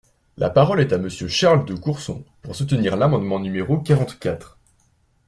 La parole est à Monsieur Charles de Courson, pour soutenir l’amendement numéro quarante-quatre.